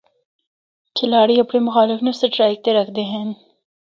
کھلاڑی اپنڑے مخالف نوں سٹرائیک تے رکھدے ہن۔